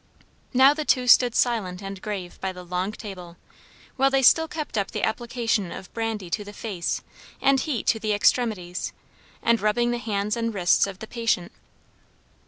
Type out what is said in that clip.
Now the two stood silent and grave by the long table, while they still kept up the application of brandy to the face and heat to the extremities, and rubbing the hands and wrists of the patient.